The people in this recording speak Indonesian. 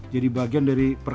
jadi menambahkan an ersi